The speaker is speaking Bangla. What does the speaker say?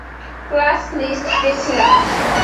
ক্লাস লিস্ট দেখছিলাম।